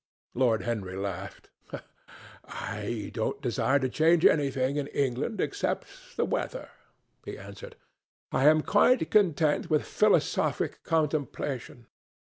Lord Henry laughed. "I don't desire to change anything in England except the weather," he answered. "I am quite content with philosophic contemplation.